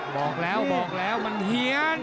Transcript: บอกแล้วบอกแล้วมันเฮียน